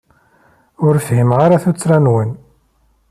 Ur fhimeɣ ara tuttra-nwen.